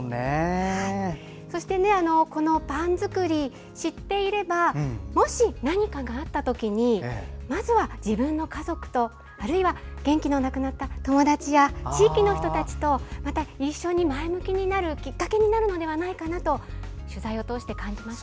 そして、このパン作り知っていればもし、何かがあった時にまずは自分の家族とあるいは元気のなくなった友達や地域の人たちとまた一緒に前向きになるきっかけになるのではないかなと取材を通して感じました。